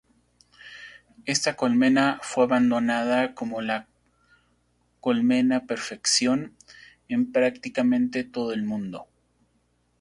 Esta colmena fue adoptada como la "colmena perfección" en prácticamente todo el mundo.